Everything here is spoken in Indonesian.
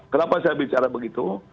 kenapa saya bicara begitu